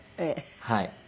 はい。